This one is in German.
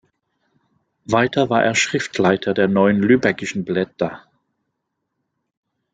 Weiter war er Schriftleiter der Neuen lübeckischen Blätter.